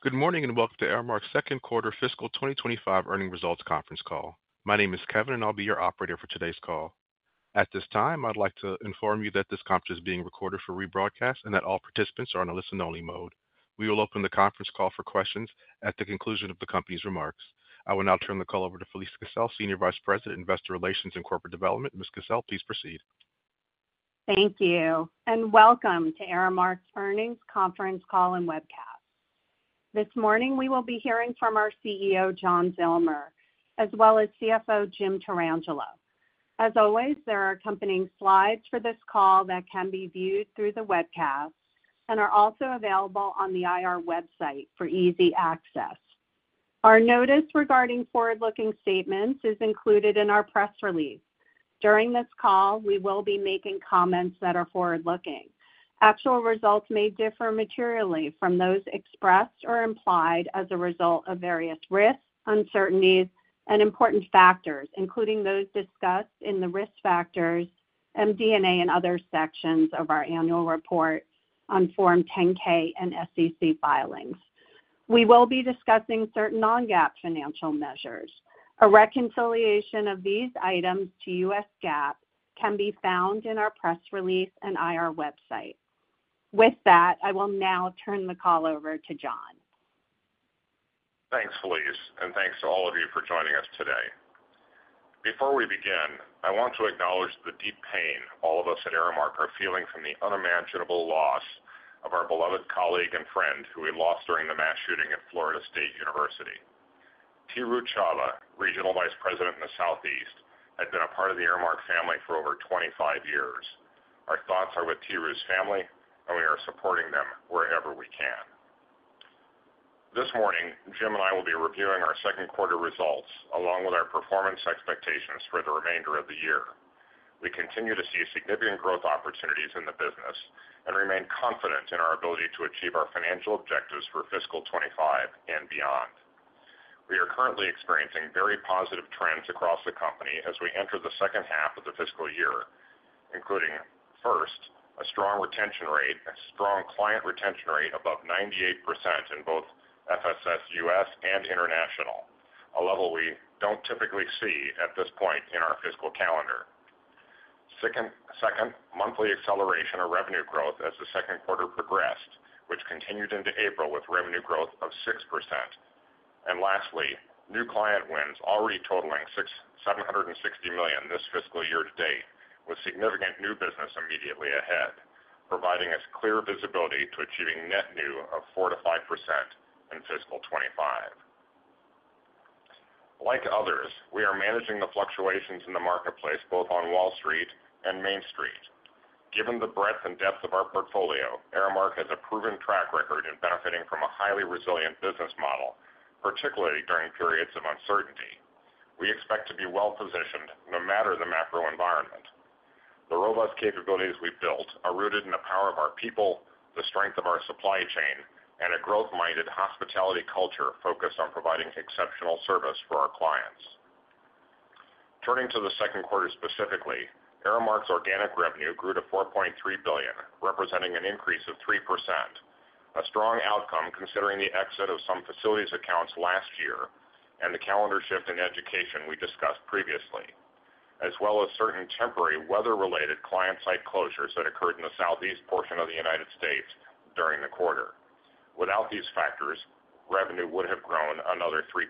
Good morning and welcome to Aramark's second quarter fiscal 2025 earnings results conference call. My name is Kevin, and I'll be your operator for today's call. At this time, I'd like to inform you that this conference is being recorded for rebroadcast and that all participants are on a listen-only mode. We will open the conference call for questions at the conclusion of the company's remarks. I will now turn the call over to Felise Kissell, Senior Vice President, Investor Relations and Corporate Development. Ms. Kissell, please proceed. Thank you, and welcome to Aramark's earnings conference call and webcast. This morning, we will be hearing from our CEO, John Zillmer, as well as CFO, Jim Tarangelo. As always, there are accompanying slides for this call that can be viewed through the webcast and are also available on the IR website for easy access. Our notice regarding forward-looking statements is included in our press release. During this call, we will be making comments that are forward-looking. Actual results may differ materially from those expressed or implied as a result of various risks, uncertainties, and important factors, including those discussed in the risk factors and DNA and other sections of our annual report on Form 10-K and SEC filings. We will be discussing certain non-GAAP financial measures. A reconciliation of these items to U.S. GAAP can be found in our press release and IR website. With that, I will now turn the call over to John. Thanks, Felise, and thanks to all of you for joining us today. Before we begin, I want to acknowledge the deep pain all of us at Aramark are feeling from the unimaginable loss of our beloved colleague and friend who we lost during the mass shooting at Florida State University. Tiru Chabba, Regional Vice President in the Southeast, had been a part of the Aramark family for over 25 years. Our thoughts are with Tiru's family, and we are supporting them wherever we can. This morning, Jim and I will be reviewing our second quarter results along with our performance expectations for the remainder of the year. We continue to see significant growth opportunities in the business and remain confident in our ability to achieve our financial objectives for fiscal 2025 and beyond. We are currently experiencing very positive trends across the company as we enter the second half of the fiscal year, including, first, a strong retention rate and strong client retention rate above 98% in both FSS U.S. and international, a level we do not typically see at this point in our fiscal calendar. Second, monthly acceleration of revenue growth as the second quarter progressed, which continued into April with revenue growth of 6%. Lastly, new client wins already totaling $760 million this fiscal year to date, with significant new business immediately ahead, providing us clear visibility to achieving net new of 4%-5% in fiscal 2025. Like others, we are managing the fluctuations in the marketplace both on Wall Street and Main Street. Given the breadth and depth of our portfolio, Aramark has a proven track record in benefiting from a highly resilient business model, particularly during periods of uncertainty. We expect to be well-positioned no matter the macro environment. The robust capabilities we've built are rooted in the power of our people, the strength of our supply chain, and a growth-minded hospitality culture focused on providing exceptional service for our clients. Turning to the second quarter specifically, Aramark's organic revenue grew to $4.3 billion, representing an increase of 3%, a strong outcome considering the exit of some facilities accounts last year and the calendar shift in education we discussed previously, as well as certain temporary weather-related client-site closures that occurred in the southeast portion of the United States during the quarter. Without these factors, revenue would have grown another 3%.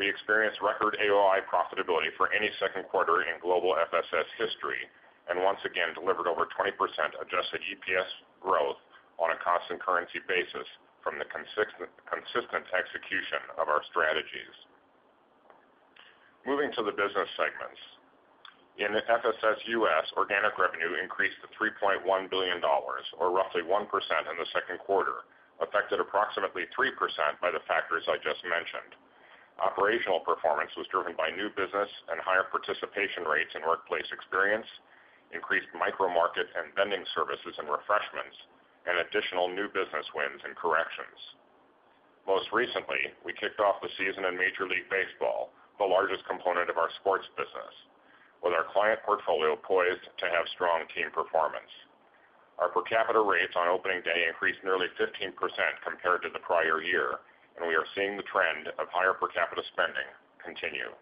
We experienced record AOI profitability for any second quarter in global FSS history and once again delivered over 20% adjusted EPS growth on a cost and currency basis from the consistent execution of our strategies. Moving to the business segments, in FSS U.S., organic revenue increased to $3.1 billion, or roughly 1% in the second quarter, affected approximately 3% by the factors I just mentioned. Operational performance was driven by new business and higher participation rates in workplace experience, increased micro-market and vending services and refreshments, and additional new business wins and corrections. Most recently, we kicked off the season in Major League Baseball, the largest component of our sports business, with our client portfolio poised to have strong team performance. Our per capita rates on opening day increased nearly 15% compared to the prior year, and we are seeing the trend of higher per capita spending continue.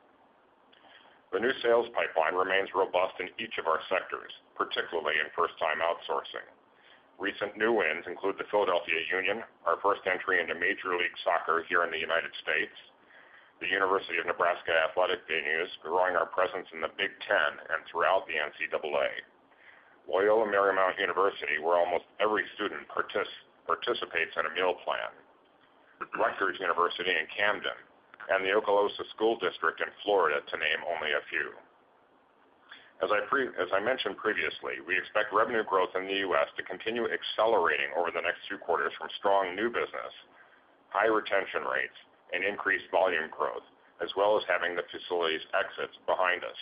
The new sales pipeline remains robust in each of our sectors, particularly in first-time outsourcing. Recent new wins include the Philadelphia Union, our first entry into Major League Soccer here in the United States, the University of Nebraska Athletic Venues, growing our presence in the Big Ten and throughout the NCAA, Loyola Marymount University, where almost every student participates in a meal plan, Rutgers University in Camden, and the Okaloosa School District in Florida, to name only a few. As I mentioned previously, we expect revenue growth in the U.S. to continue accelerating over the next two quarters from strong new business, high retention rates, and increased volume growth, as well as having the facilities exits behind us.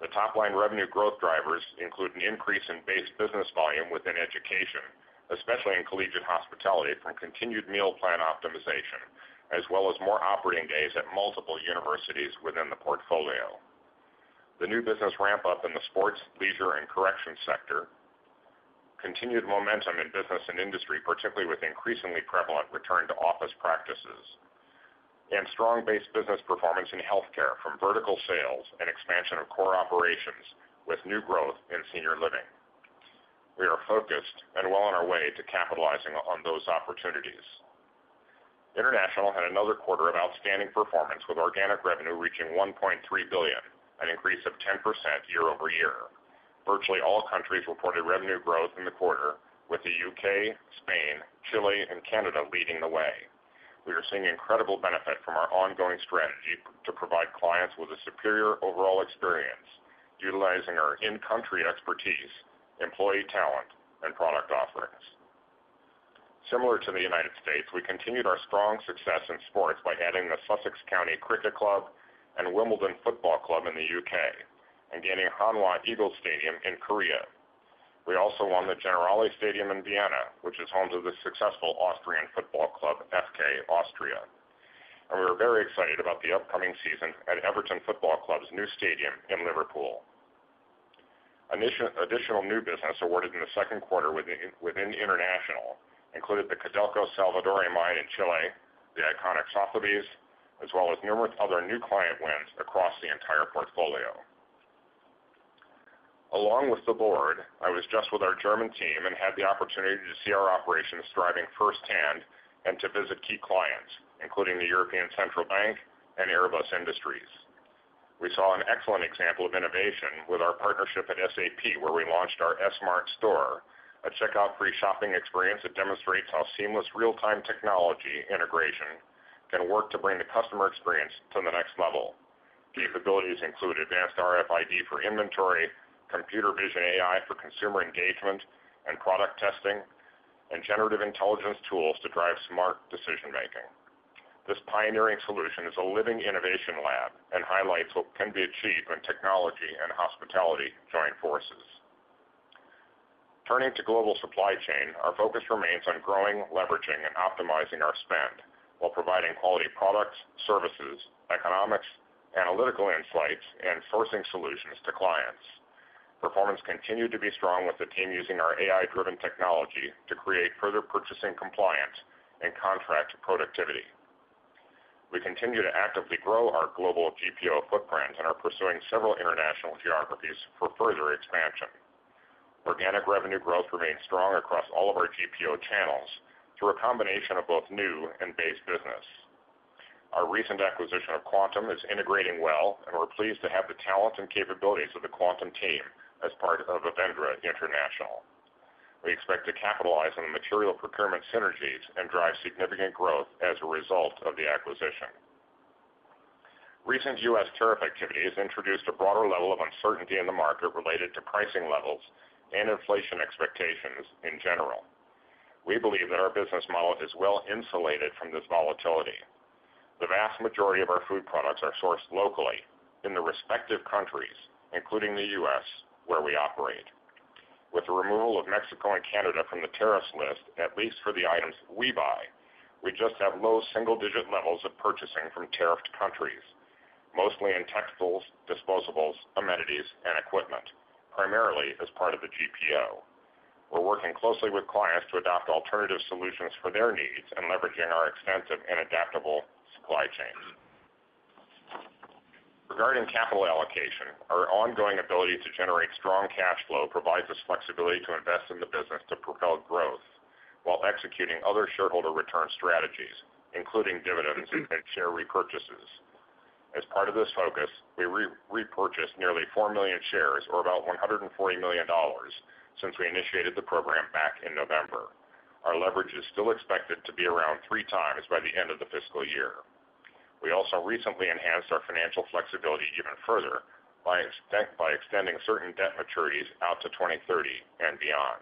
The top-line revenue growth drivers include an increase in base business volume within education, especially in collegiate hospitality, from continued meal plan optimization, as well as more operating days at multiple universities within the portfolio. The new business ramp-up in the sports, leisure, and corrections sector, continued momentum in business and industry, particularly with increasingly prevalent return to office practices, and strong base business performance in healthcare from vertical sales and expansion of core operations with new growth in senior living. We are focused and well on our way to capitalizing on those opportunities. International had another quarter of outstanding performance, with organic revenue reaching $1.3 billion, an increase of 10% year over year. Virtually all countries reported revenue growth in the quarter, with the U.K., Spain, Chile, and Canada leading the way. We are seeing incredible benefit from our ongoing strategy to provide clients with a superior overall experience, utilizing our in-country expertise, employee talent, and product offerings. Similar to the United States, we continued our strong success in sports by adding the Sussex County Cricket Club and AFC Wimbledon in the U.K. and gaining Hanwha Eagles Stadium in Korea. We also won the Generali Stadium in Vienna, which is home to the successful Austrian Football Club, FK Austria. We are very excited about the upcoming season at Everton Football Club's new stadium in Liverpool. Additional new business awarded in the second quarter within International included the Codelco Salvador Mine in Chile, the iconic Sotheby's, as well as numerous other new client wins across the entire portfolio. Along with the Board, I was just with our German team and had the opportunity to see our operations thriving firsthand and to visit key clients, including the European Central Bank and Airbus. We saw an excellent example of innovation with our partnership at SAP, where we launched our S.Mart store, a checkout-free shopping experience that demonstrates how seamless real-time technology integration can work to bring the customer experience to the next level. Capabilities include advanced RFID for inventory, computer vision AI for consumer engagement and product testing, and generative intelligence tools to drive smart decision-making. This pioneering solution is a living innovation lab and highlights what can be achieved when technology and hospitality join forces. Turning to global supply chain, our focus remains on growing, leveraging, and optimizing our spend while providing quality products, services, economics, analytical insights, and sourcing solutions to clients. Performance continued to be strong with the team using our AI-driven technology to create further purchasing compliance and contract productivity. We continue to actively grow our global GPO footprint and are pursuing several international geographies for further expansion. Organic revenue growth remains strong across all of our GPO channels through a combination of both new and base business. Our recent acquisition of Quantum is integrating well, and we're pleased to have the talent and capabilities of the Quantum team as part of Avendra International. We expect to capitalize on the material procurement synergies and drive significant growth as a result of the acquisition. Recent U.S. tariff activity has introduced a broader level of uncertainty in the market related to pricing levels and inflation expectations in general. We believe that our business model is well insulated from this volatility. The vast majority of our food products are sourced locally in the respective countries, including the U.S., where we operate. With the removal of Mexico and Canada from the tariffs list, at least for the items we buy, we just have low single-digit levels of purchasing from tariffed countries, mostly in textiles, disposables, amenities, and equipment, primarily as part of the GPO. We're working closely with clients to adopt alternative solutions for their needs and leveraging our extensive and adaptable supply chains. Regarding capital allocation, our ongoing ability to generate strong cash flow provides us flexibility to invest in the business to propel growth while executing other shareholder return strategies, including dividends and share repurchases. As part of this focus, we repurchased nearly 4 million shares, or about $140 million, since we initiated the program back in November. Our leverage is still expected to be around three times by the end of the fiscal year. We also recently enhanced our financial flexibility even further by extending certain debt maturities out to 2030 and beyond.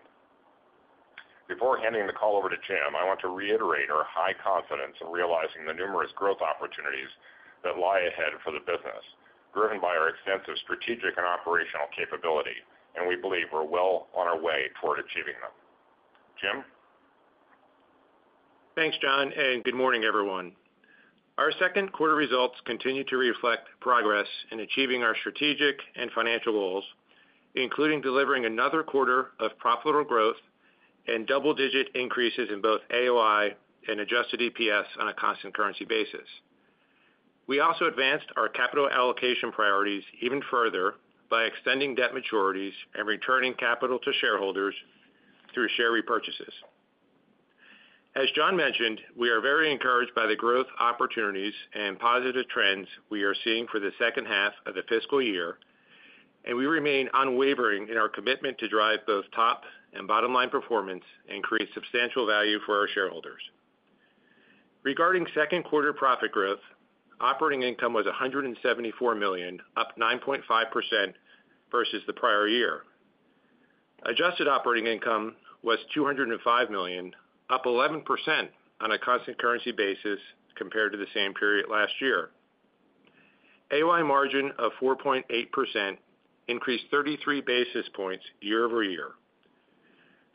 Before handing the call over to Jim, I want to reiterate our high confidence in realizing the numerous growth opportunities that lie ahead for the business, driven by our extensive strategic and operational capability, and we believe we're well on our way toward achieving them. Jim? Thanks, John, and good morning, everyone. Our second quarter results continue to reflect progress in achieving our strategic and financial goals, including delivering another quarter of profitable growth and double-digit increases in both AOI and adjusted EPS on a cost and currency basis. We also advanced our capital allocation priorities even further by extending debt maturities and returning capital to shareholders through share repurchases. As John mentioned, we are very encouraged by the growth opportunities and positive trends we are seeing for the second half of the fiscal year, and we remain unwavering in our commitment to drive both top and bottom-line performance and create substantial value for our shareholders. Regarding second quarter profit growth, operating income was $174 million, up 9.5% versus the prior year. Adjusted operating income was $205 million, up 11% on a cost and currency basis compared to the same period last year. AOI margin of 4.8% increased 33 basis points year over year.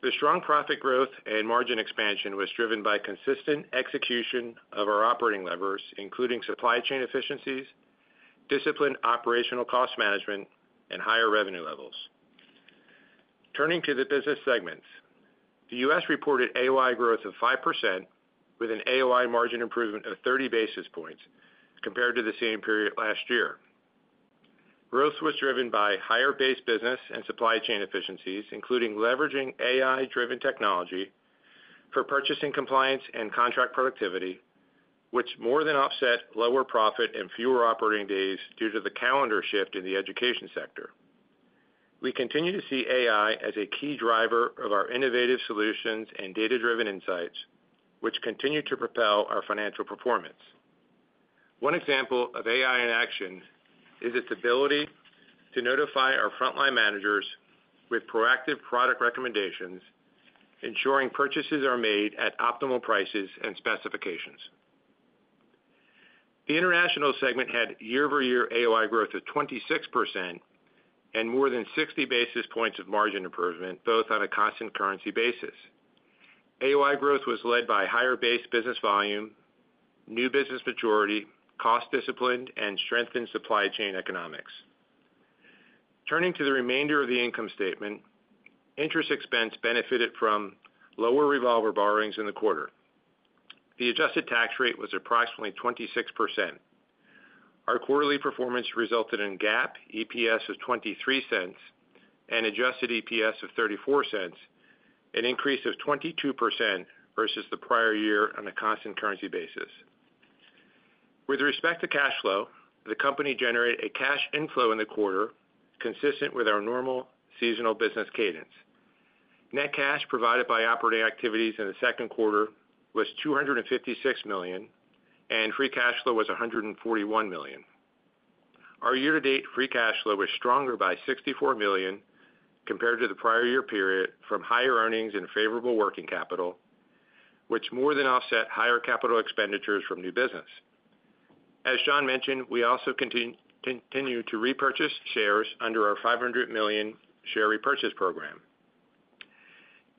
The strong profit growth and margin expansion was driven by consistent execution of our operating levers, including supply chain efficiencies, disciplined operational cost management, and higher revenue levels. Turning to the business segments, the U.S. reported AOI growth of 5% with an AOI margin improvement of 30 basis points compared to the same period last year. Growth was driven by higher base business and supply chain efficiencies, including leveraging AI-driven technology for purchasing compliance and contract productivity, which more than offset lower profit and fewer operating days due to the calendar shift in the education sector. We continue to see AI as a key driver of our innovative solutions and data-driven insights, which continue to propel our financial performance. One example of AI in action is its ability to notify our frontline managers with proactive product recommendations, ensuring purchases are made at optimal prices and specifications. The international segment had year-over-year AOI growth of 26% and more than 60 basis points of margin improvement, both on a cost and currency basis. AOI growth was led by higher base business volume, new business maturity, cost discipline, and strengthened supply chain economics. Turning to the remainder of the income statement, interest expense benefited from lower revolver borrowings in the quarter. The adjusted tax rate was approximately 26%. Our quarterly performance resulted in GAAP EPS of $0.23 and adjusted EPS of $0.34, an increase of 22% versus the prior year on a cost and currency basis. With respect to cash flow, the company generated a cash inflow in the quarter consistent with our normal seasonal business cadence. Net cash provided by operating activities in the second quarter was $256 million, and free cash flow was $141 million. Our year-to-date free cash flow was stronger by $64 million compared to the prior year period from higher earnings and favorable working capital, which more than offset higher capital expenditures from new business. As John mentioned, we also continue to repurchase shares under our $500 million share repurchase program.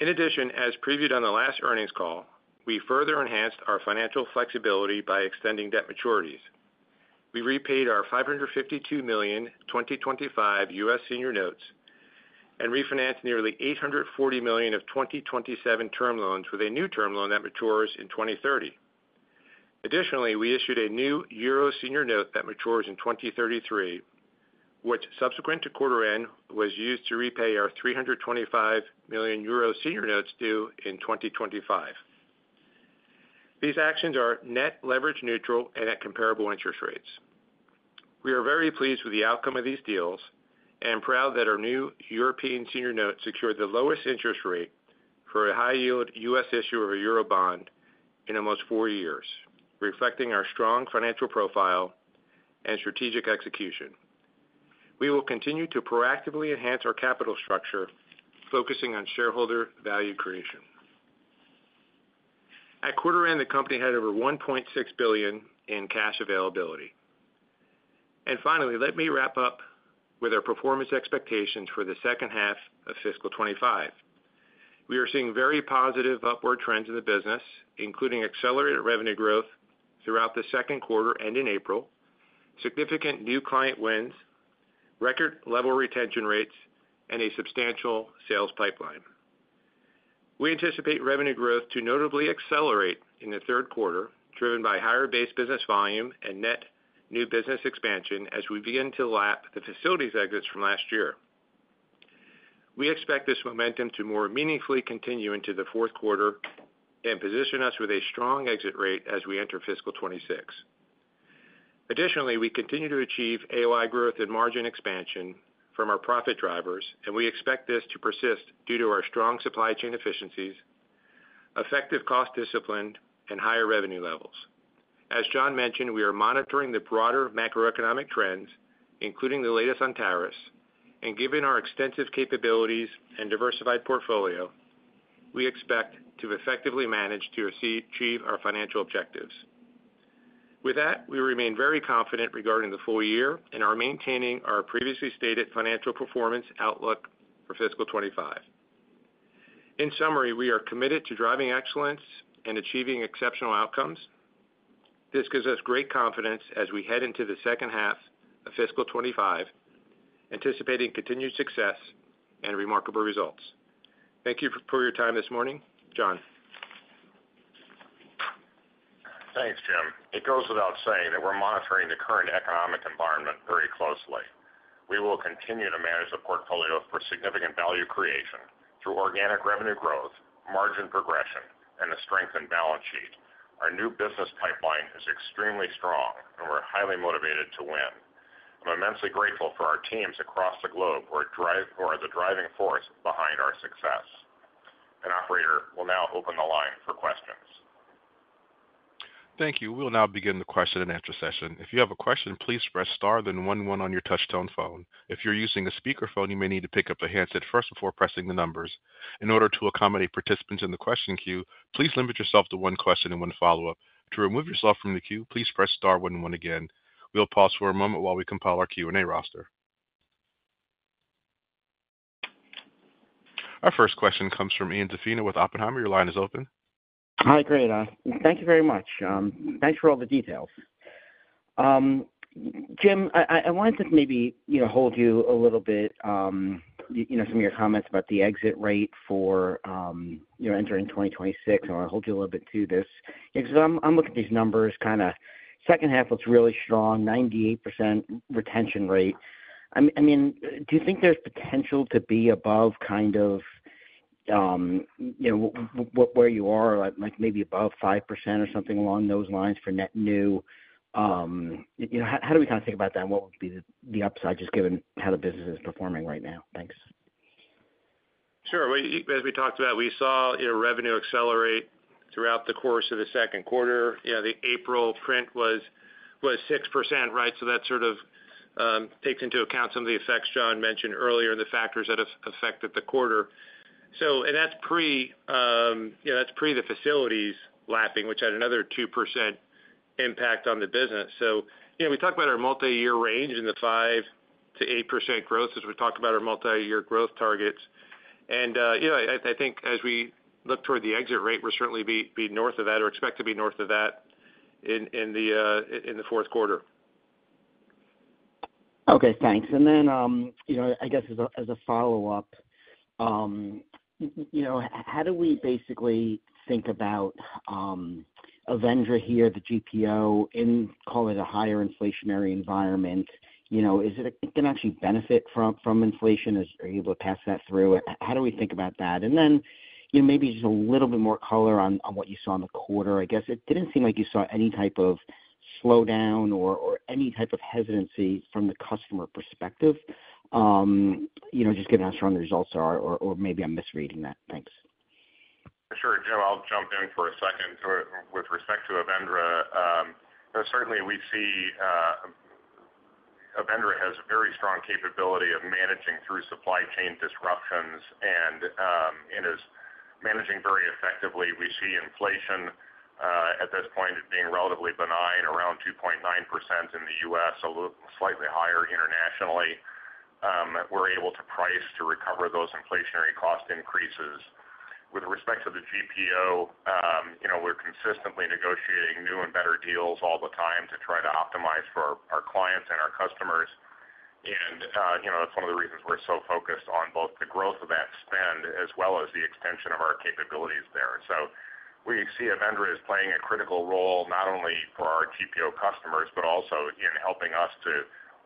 In addition, as previewed on the last earnings call, we further enhanced our financial flexibility by extending debt maturities. We repaid our $552 million 2025 U.S. senior notes and refinanced nearly $840 million of 2027 term loans with a new term loan that matures in 2030. Additionally, we issued a new EUR senior note that matures in 2033, which, subsequent to quarter end, was used to repay our 325 million euro senior notes due in 2025. These actions are net leverage neutral and at comparable interest rates. We are very pleased with the outcome of these deals and proud that our new European senior note secured the lowest interest rate for a high-yield U.S. issue of a Eurobond in almost four years, reflecting our strong financial profile and strategic execution. We will continue to proactively enhance our capital structure, focusing on shareholder value creation. At quarter end, the company had over $1.6 billion in cash availability. Finally, let me wrap up with our performance expectations for the second half of fiscal 2025. We are seeing very positive upward trends in the business, including accelerated revenue growth throughout the second quarter ending April, significant new client wins, record-level retention rates, and a substantial sales pipeline. We anticipate revenue growth to notably accelerate in the third quarter, driven by higher base business volume and net new business expansion as we begin to lap the facilities exits from last year. We expect this momentum to more meaningfully continue into the fourth quarter and position us with a strong exit rate as we enter fiscal 2026. Additionally, we continue to achieve AOI growth and margin expansion from our profit drivers, and we expect this to persist due to our strong supply chain efficiencies, effective cost discipline, and higher revenue levels. As John mentioned, we are monitoring the broader macroeconomic trends, including the latest on tariffs, and given our extensive capabilities and diversified portfolio, we expect to effectively manage to achieve our financial objectives. With that, we remain very confident regarding the full year and are maintaining our previously stated financial performance outlook for fiscal 2025. In summary, we are committed to driving excellence and achieving exceptional outcomes. This gives us great confidence as we head into the second half of fiscal 2025, anticipating continued success and remarkable results. Thank you for your time this morning, John. Thanks, Jim. It goes without saying that we're monitoring the current economic environment very closely. We will continue to manage the portfolio for significant value creation through organic revenue growth, margin progression, and a strengthened balance sheet. Our new business pipeline is extremely strong, and we're highly motivated to win. I'm immensely grateful for our teams across the globe who are the driving force behind our success. An operator will now open the line for questions. Thank you. We'll now begin the question and answer session. If you have a question, please press star then one one on your touch-tone phone. If you're using a speakerphone, you may need to pick up the handset first before pressing the numbers. In order to accommodate participants in the question queue, please limit yourself to one question and one follow-up. To remove yourself from the queue, please press star one one again. We'll pause for a moment while we compile our Q&A roster. Our first question comes from Ian Zaffino with Oppenheimer. Your line is open. Hi, great. Thank you very much. Thanks for all the details. Jim, I wanted to maybe hold you a little bit, some of your comments about the exit rate for entering 2026. I want to hold you a little bit to this. I'm looking at these numbers, kind of second half looks really strong, 98% retention rate. I mean, do you think there's potential to be above kind of where you are, like maybe above 5% or something along those lines for net new? How do we kind of think about that? What would be the upside, just given how the business is performing right now? Thanks. Sure. As we talked about, we saw revenue accelerate throughout the course of the second quarter. The April print was 6%, right? That sort of takes into account some of the effects John mentioned earlier and the factors that affected the quarter. That is pre the facilities lapping, which had another 2% impact on the business. We talked about our multi-year range and the 5%-8% growth as we talked about our multi-year growth targets. I think as we look toward the exit rate, we will certainly be north of that or expect to be north of that in the fourth quarter. Okay, thanks. I guess as a follow-up, how do we basically think about Avendra here, the GPO, in, call it, a higher inflationary environment? Is it going to actually benefit from inflation? Are you able to pass that through? How do we think about that? Maybe just a little bit more color on what you saw in the quarter. I guess it did not seem like you saw any type of slowdown or any type of hesitancy from the customer perspective. Just getting asked around the results, or maybe I am misreading that. Thanks. Sure, Jim. I'll jump in for a second. With respect to Avendra, certainly we see Avendra has a very strong capability of managing through supply chain disruptions, and it is managing very effectively. We see inflation at this point being relatively benign, around 2.9% in the U.S., a little slightly higher internationally. We're able to price to recover those inflationary cost increases. With respect to the GPO, we're consistently negotiating new and better deals all the time to try to optimize for our clients and our customers. That is one of the reasons we're so focused on both the growth of that spend as well as the extension of our capabilities there. We see Avendra is playing a critical role not only for our GPO customers, but also in helping us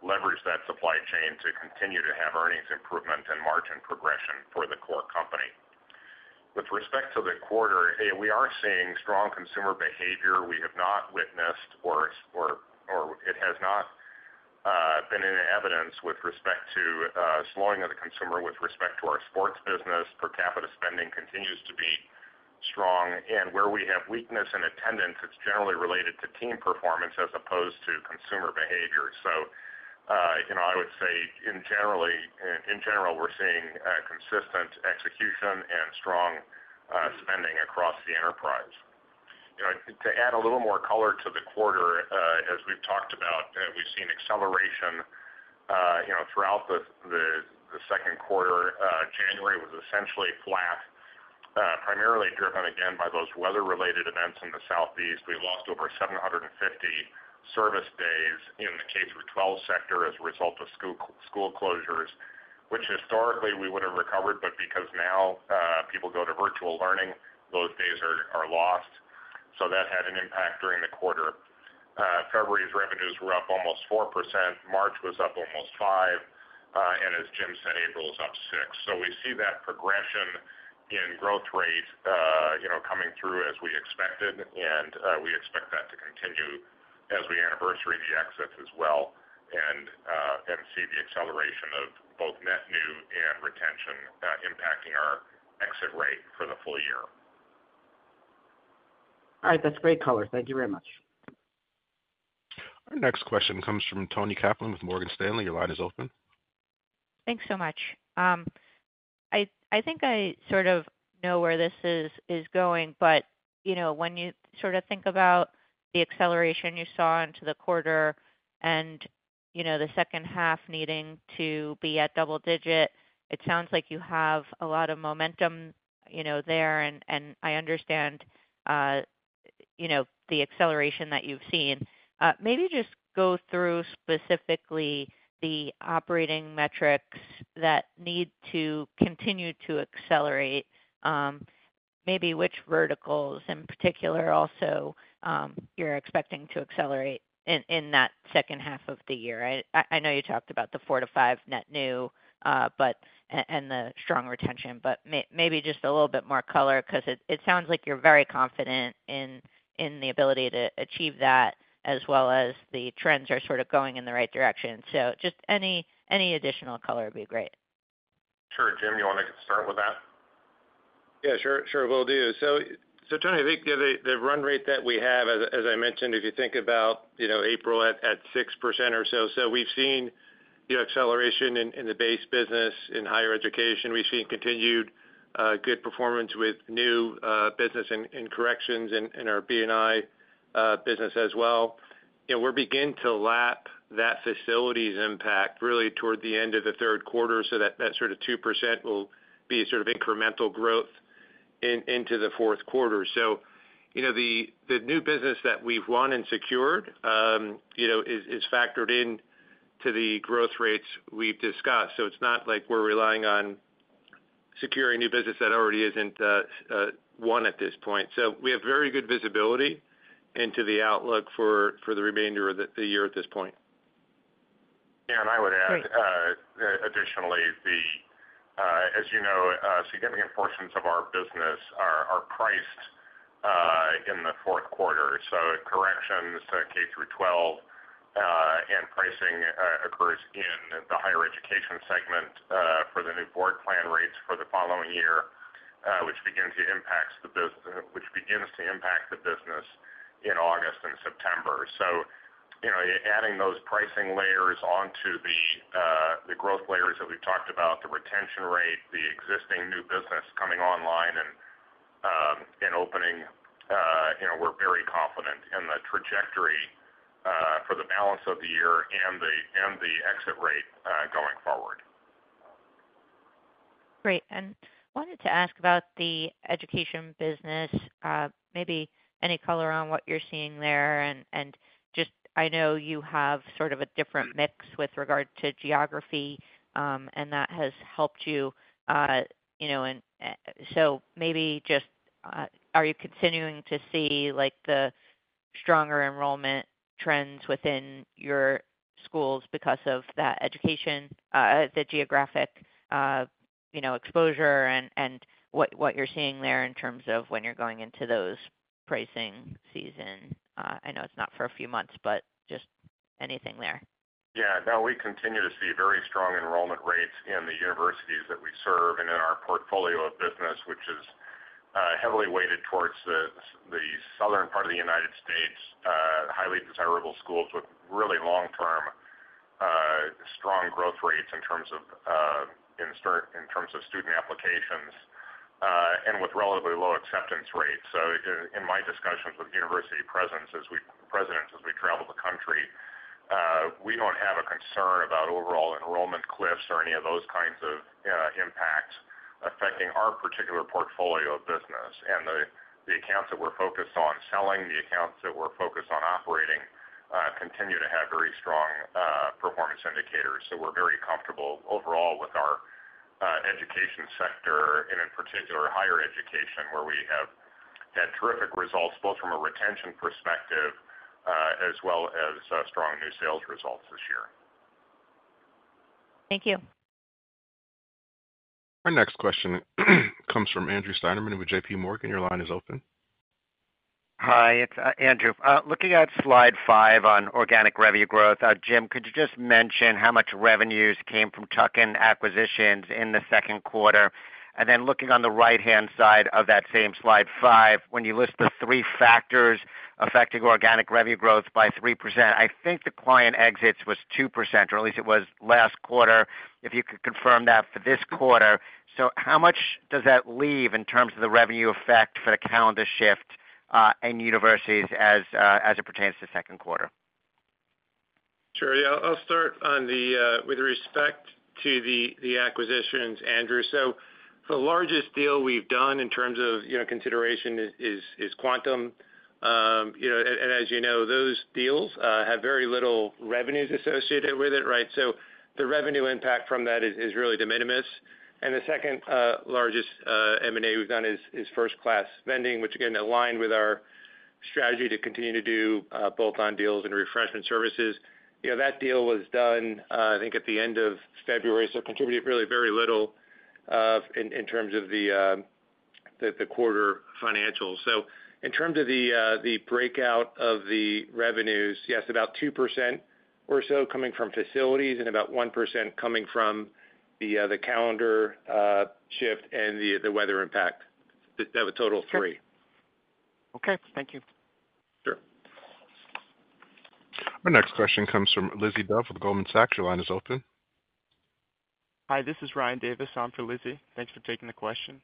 to leverage that supply chain to continue to have earnings improvement and margin progression for the core company. With respect to the quarter, we are seeing strong consumer behavior. We have not witnessed, or it has not been in evidence with respect to slowing of the consumer with respect to our sports business. Per capita spending continues to be strong. Where we have weakness in attendance, it is generally related to team performance as opposed to consumer behavior. I would say in general, we are seeing consistent execution and strong spending across the enterprise. To add a little more color to the quarter, as we have talked about, we have seen acceleration throughout the second quarter. January was essentially flat, primarily driven again by those weather-related events in the southeast. We lost over 750 service days in the K-12 sector as a result of school closures, which historically we would have recovered, but because now people go to virtual learning, those days are lost. That had an impact during the quarter. February's revenues were up almost 4%. March was up almost 5%. As Jim said, April was up 6%. We see that progression in growth rate coming through as we expected, and we expect that to continue as we anniversary the exits as well and see the acceleration of both net new and retention impacting our exit rate for the full year. All right, that's great color. Thank you very much. Our next question comes from Toni Kaplan with Morgan Stanley. Your line is open. Thanks so much. I think I sort of know where this is going, but when you sort of think about the acceleration you saw into the quarter and the second half needing to be at double digit, it sounds like you have a lot of momentum there. I understand the acceleration that you've seen. Maybe just go through specifically the operating metrics that need to continue to accelerate. Maybe which verticals in particular also you're expecting to accelerate in that second half of the year. I know you talked about the four to five net new and the strong retention, but maybe just a little bit more color because it sounds like you're very confident in the ability to achieve that as well as the trends are sort of going in the right direction. Just any additional color would be great. Sure, Jim. You want to start with that? Yeah, sure. Sure will do. Generally, the run rate that we have, as I mentioned, if you think about April at 6% or so, we have seen acceleration in the base business in higher education. We have seen continued good performance with new business and corrections in our B&I business as well. We are beginning to lap that facilities impact really toward the end of the third quarter. That sort of 2% will be sort of incremental growth into the fourth quarter. The new business that we have won and secured is factored into the growth rates we have discussed. It is not like we are relying on securing new business that already is not won at this point. We have very good visibility into the outlook for the remainder of the year at this point. Yeah, and I would add additionally, as you know, significant portions of our business are priced in the fourth quarter. Corrections to K-12 and pricing occurs in the higher education segment for the new board plan rates for the following year, which begins to impact the business in August and September. Adding those pricing layers onto the growth layers that we've talked about, the retention rate, the existing new business coming online and opening, we're very confident in the trajectory for the balance of the year and the exit rate going forward. Great. I wanted to ask about the education business, maybe any color on what you're seeing there. I know you have sort of a different mix with regard to geography, and that has helped you. Maybe just are you continuing to see the stronger enrollment trends within your schools because of that education, the geographic exposure, and what you're seeing there in terms of when you're going into those pricing seasons? I know it's not for a few months, but just anything there. Yeah. No, we continue to see very strong enrollment rates in the universities that we serve and in our portfolio of business, which is heavily weighted towards the southern part of the United States, highly desirable schools with really long-term strong growth rates in terms of student applications and with relatively low acceptance rates. In my discussions with university presidents as we travel the country, we do not have a concern about overall enrollment cliffs or any of those kinds of impacts affecting our particular portfolio of business. The accounts that we are focused on selling, the accounts that we are focused on operating continue to have very strong performance indicators. We are very comfortable overall with our education sector, and in particular, higher education, where we have had terrific results both from a retention perspective as well as strong new sales results this year. Thank you. Our next question comes from Andrew Steinerman with JPMorgan. Your line is open. Hi, it's Andrew. Looking at slide five on organic revenue growth, Jim, could you just mention how much revenues came from tuck-in acquisitions in the second quarter? Looking on the right-hand side of that same slide five, when you list the three factors affecting organic revenue growth by 3%, I think the client exits was 2%, or at least it was last quarter. If you could confirm that for this quarter. How much does that leave in terms of the revenue effect for the calendar shift in universities as it pertains to second quarter? Sure. Yeah, I'll start with respect to the acquisitions, Andrew. The largest deal we've done in terms of consideration is Quantum. As you know, those deals have very little revenues associated with it, right? The revenue impact from that is really de minimis. The second largest M&A we've done is first-class vending, which again, aligned with our strategy to continue to do both on deals and refreshment services. That deal was done, I think, at the end of February, so it contributed really very little in terms of the quarter financials. In terms of the breakout of the revenues, yes, about 2% or so coming from facilities and about 1% coming from the calendar shift and the weather impact. That would total three. Okay. Thank you. Sure. Our next question comes from Lizzie Duff with Goldman Sachs. Your line is open. Hi, this is Ryan Davis. I'm for Lizzie. Thanks for taking the question.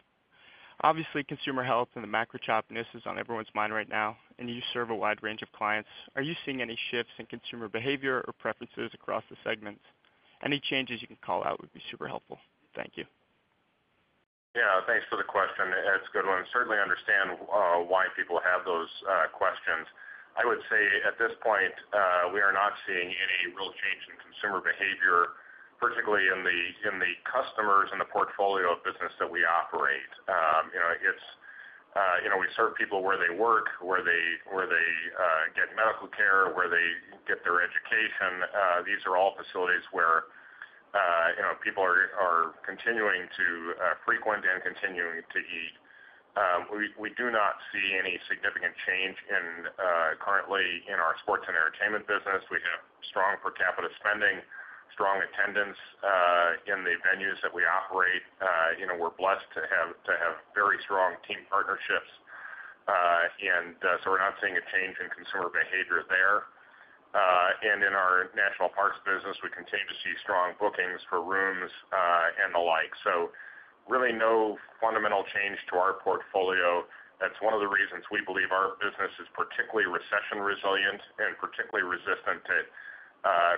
Obviously, consumer health and the macrochoppiness is on everyone's mind right now, and you serve a wide range of clients. Are you seeing any shifts in consumer behavior or preferences across the segments? Any changes you can call out would be super helpful. Thank you. Yeah, thanks for the question. That's a good one. Certainly understand why people have those questions. I would say at this point, we are not seeing any real change in consumer behavior, particularly in the customers and the portfolio of business that we operate. We serve people where they work, where they get medical care, where they get their education. These are all facilities where people are continuing to frequent and continuing to eat. We do not see any significant change currently in our sports and entertainment business. We have strong per capita spending, strong attendance in the venues that we operate. We're blessed to have very strong team partnerships. We are not seeing a change in consumer behavior there. In our national parks business, we continue to see strong bookings for rooms and the like. Really no fundamental change to our portfolio. That's one of the reasons we believe our business is particularly recession resilient and particularly resistant to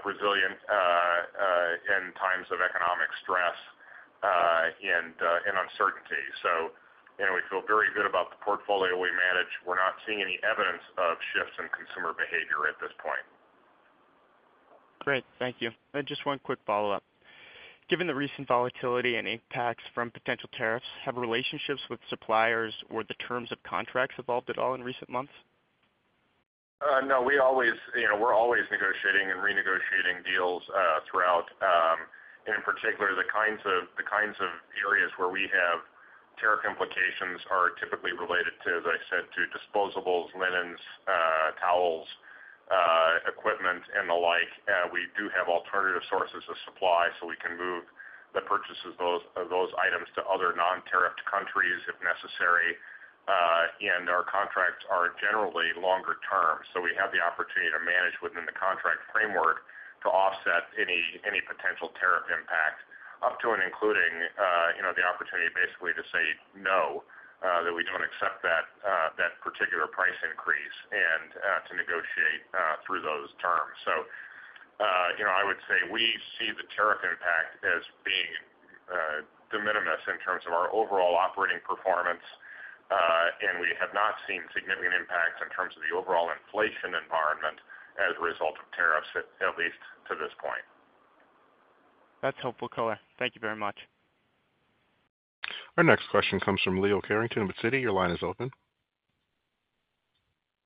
resilient in times of economic stress and uncertainty. We feel very good about the portfolio we manage. We're not seeing any evidence of shifts in consumer behavior at this point. Great. Thank you. Just one quick follow-up. Given the recent volatility and impacts from potential tariffs, have relationships with suppliers or the terms of contracts evolved at all in recent months? No, we're always negotiating and renegotiating deals throughout. In particular, the kinds of areas where we have tariff implications are typically related to, as I said, to disposables, linens, towels, equipment, and the like. We do have alternative sources of supply so we can move the purchase of those items to other non-tariffed countries if necessary. Our contracts are generally longer term. We have the opportunity to manage within the contract framework to offset any potential tariff impact up to and including the opportunity basically to say no, that we don't accept that particular price increase and to negotiate through those terms. I would say we see the tariff impact as being de minimis in terms of our overall operating performance. We have not seen significant impacts in terms of the overall inflation environment as a result of tariffs, at least to this point. That's helpful color. Thank you very much. Our next question comes from Leo Carrington of Citi. Your line is open.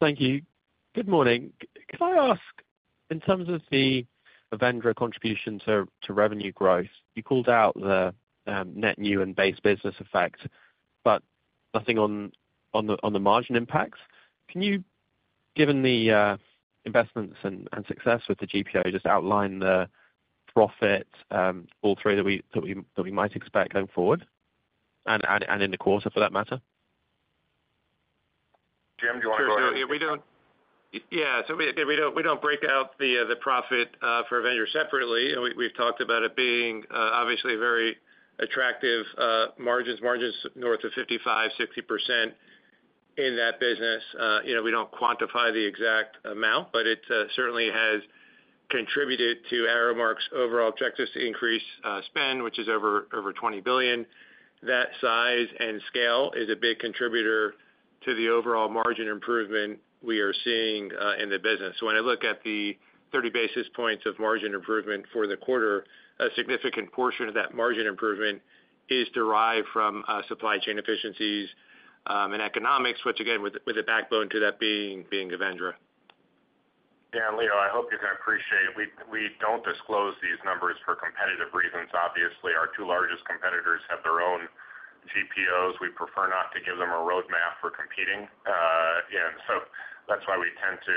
Thank you. Good morning. Can I ask in terms of the Avendra contribution to revenue growth, you called out the net new and base business effect, but nothing on the margin impacts. Can you, given the investments and success with the GPO, just outline the profit all three that we might expect going forward and in the quarter for that matter? Jim, do you want to go ahead? Yeah. So we don't break out the profit for Avendra separately. We've talked about it being obviously very attractive margins, margins north of 55%, 60% in that business. We don't quantify the exact amount, but it certainly has contributed to Aramark's overall objectives to increase spend, which is over $20 billion. That size and scale is a big contributor to the overall margin improvement we are seeing in the business. When I look at the 30 basis points of margin improvement for the quarter, a significant portion of that margin improvement is derived from supply chain efficiencies and economics, which again, with a backbone to that being Avendra. Yeah, Leo, I hope you can appreciate it. We do not disclose these numbers for competitive reasons. Obviously, our two largest competitors have their own GPOs. We prefer not to give them a roadmap for competing. That is why we tend to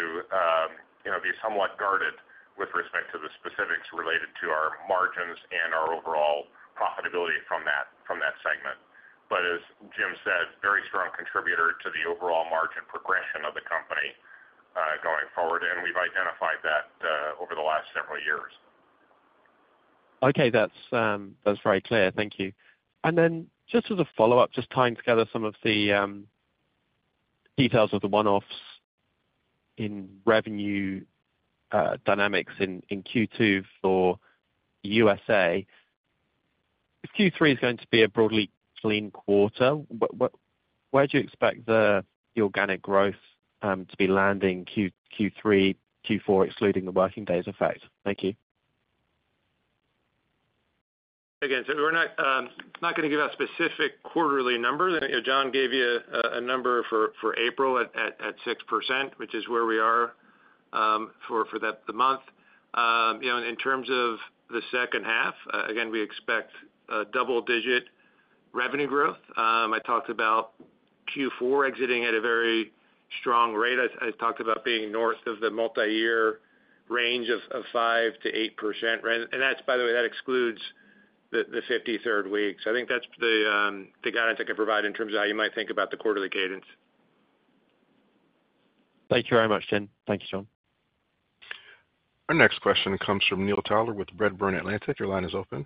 be somewhat guarded with respect to the specifics related to our margins and our overall profitability from that segment. As Jim said, very strong contributor to the overall margin progression of the company going forward. We have identified that over the last several years. Okay. That's very clear. Thank you. Just as a follow-up, just tying together some of the details of the one-offs in revenue dynamics in Q2 for U.S.A. Q3 is going to be a broadly clean quarter. Where do you expect the organic growth to be landing Q3, Q4, excluding the working days effect? Thank you. Again, we're not going to give a specific quarterly number. John gave you a number for April at 6%, which is where we are for the month. In terms of the second half, we expect double-digit revenue growth. I talked about Q4 exiting at a very strong rate. I talked about being north of the multi-year range of 5%-8%. By the way, that excludes the 53rd week. I think that's the guidance I can provide in terms of how you might think about the quarterly cadence. Thank you very much, Jim. Thank you, John. Our next question comes from Neil Tyler with Redburn Atlantic. Your line is open.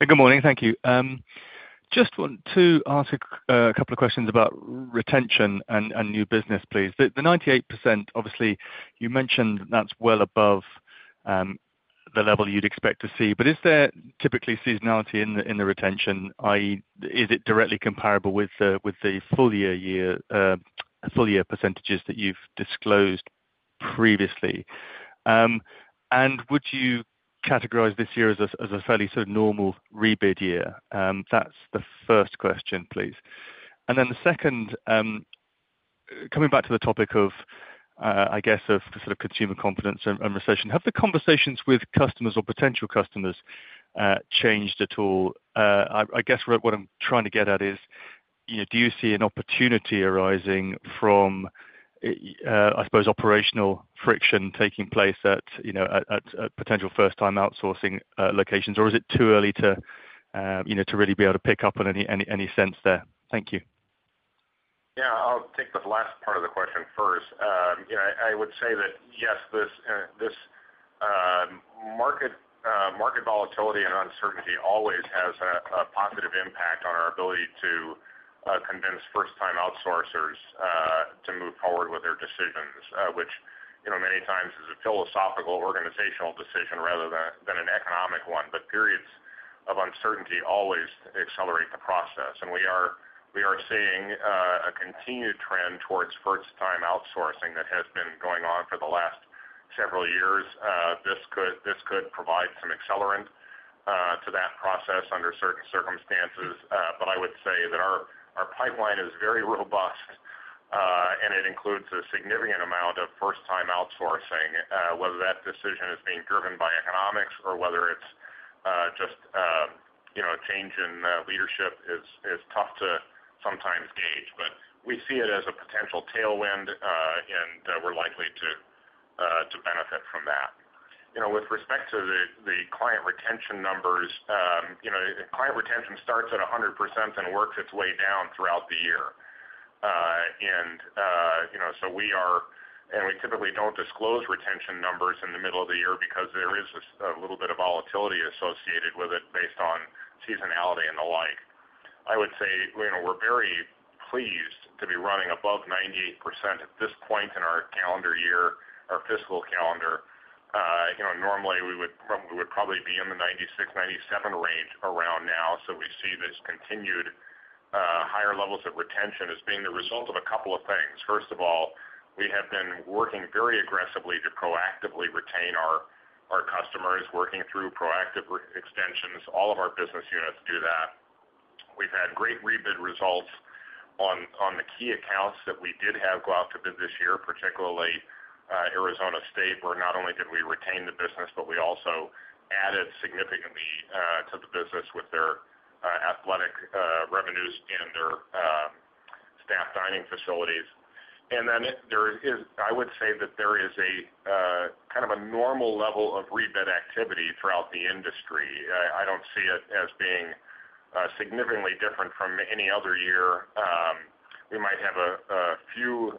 Good morning. Thank you. Just want to ask a couple of questions about retention and new business, please. The 98%, obviously, you mentioned that's well above the level you'd expect to see. Is there typically seasonality in the retention? Is it directly comparable with the full-year percentages that you've disclosed previously? Would you categorize this year as a fairly sort of normal rebid year? That's the first question, please. The second, coming back to the topic of, I guess, of sort of consumer confidence and recession, have the conversations with customers or potential customers changed at all? I guess what I'm trying to get at is, do you see an opportunity arising from, I suppose, operational friction taking place at potential first-time outsourcing locations, or is it too early to really be able to pick up on any sense there? Thank you. Yeah. I'll take the last part of the question first. I would say that, yes, this market volatility and uncertainty always has a positive impact on our ability to convince first-time outsourcers to move forward with their decisions, which many times is a philosophical organizational decision rather than an economic one. Periods of uncertainty always accelerate the process. We are seeing a continued trend towards first-time outsourcing that has been going on for the last several years. This could provide some accelerant to that process under certain circumstances. I would say that our pipeline is very robust, and it includes a significant amount of first-time outsourcing, whether that decision is being driven by economics or whether it's just a change in leadership is tough to sometimes gauge. We see it as a potential tailwind, and we're likely to benefit from that. With respect to the client retention numbers, client retention starts at 100% and works its way down throughout the year. We typically do not disclose retention numbers in the middle of the year because there is a little bit of volatility associated with it based on seasonality and the like. I would say we are very pleased to be running above 98% at this point in our calendar year, our fiscal calendar. Normally, we would probably be in the 96%-97% range around now. We see this continued higher levels of retention as being the result of a couple of things. First of all, we have been working very aggressively to proactively retain our customers, working through proactive extensions. All of our business units do that. We've had great rebid results on the key accounts that we did have go out to bid this year, particularly Arizona State, where not only did we retain the business, but we also added significantly to the business with their athletic revenues and their staff dining facilities. I would say that there is kind of a normal level of rebid activity throughout the industry. I do not see it as being significantly different from any other year. We might have a few